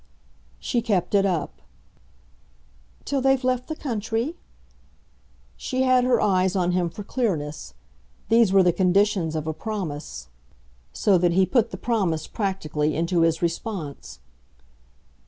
She kept it up. "Till they've left the country?" She had her eyes on him for clearness; these were the conditions of a promise so that he put the promise, practically, into his response.